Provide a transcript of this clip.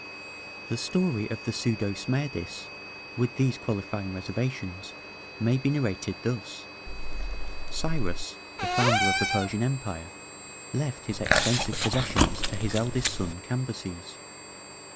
The story of the pseudo Smerdis, with these qualifying reservations, may be narrated thus: Cyrus, the founder of the Persian empire, left his extensive possessions to his eldest son, Cambyses.